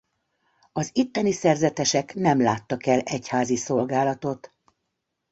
Az itteni szerzetesek nem láttak el egyházi szolgálatot.